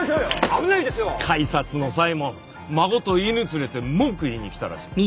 開札の際も孫と犬連れて文句言いに来たらしい。